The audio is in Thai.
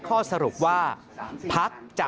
ข้อสรุปว่าพักจะ